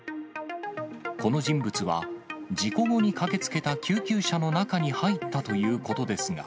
この人物は、事故後に駆けつけた救急車の中に入ったということですが。